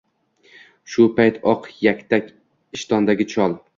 Shu payt oq yaktak-ishtondagi chol